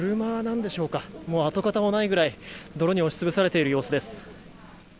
跡形もないぐらい泥に押し潰されている様子です。